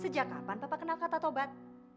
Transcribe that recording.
sejak kapan bapak kena kata tobat